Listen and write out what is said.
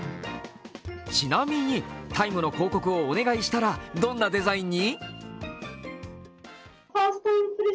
ちなみに、「ＴＩＭＥ，」の広告をお願いしたらどんなデザインに？